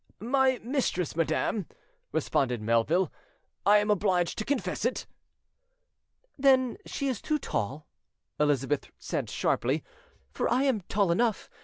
"My mistress, madam," responded Melville; "I am obliged to confess it." "Then she is too tall," Elizabeth said sharply, "for I am tall enough.